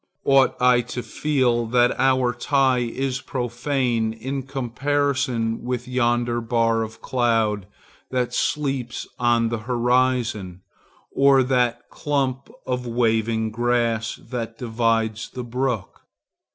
Ought I to feel that our tie is profane in comparison with yonder bar of cloud that sleeps on the horizon, or that clump of waving grass that divides the brook?